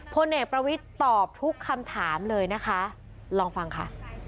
พลเอกประวิทย์ตอบทุกคำถามเลยนะคะลองฟังค่ะ